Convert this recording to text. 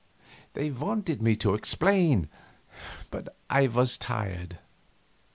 They wanted me to explain, but I was tired.